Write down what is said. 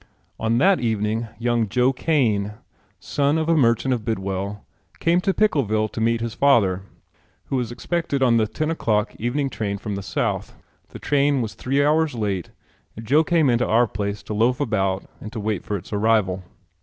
On that evening young Joe Kane, son of a merchant of Bidwell, came to Pickleville to meet his father, who was expected on the ten o'clock evening train from the South. The train was three hours late and Joe came into our place to loaf about and to wait for its arrival.